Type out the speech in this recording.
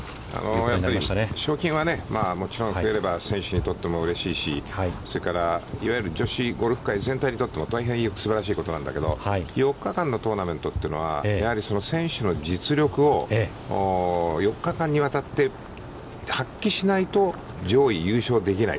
やっぱり賞金はね、もちろん増えれば、選手にとってもうれしいしそれから、いわゆる女子ゴルフ界全体にとっても大変すばらしいことなんだけど、４日間のトーナメントというのはやはり選手の実力を４日間にわたって発揮しないと上位優勝はできない。